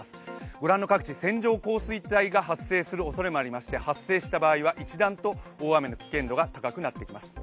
ご覧の各地線状降水帯が発生するおそれもありまして発生した場合は一段と大雨の危険度が高くなってきます。